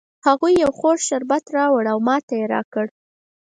هغې یو خوږ شربت راوړ او ماته یې را کړ